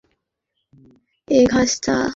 School মাঠের পুরোটাই দখল করে নেই জংলি এই ঘাসটা।